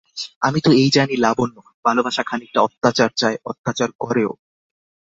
আমি তো এই জানি লাবণ্য, ভালোবাসা খানিকটা অত্যাচার চায়, অত্যাচার করেও।